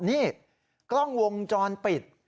นี่กล้องวงจรปิด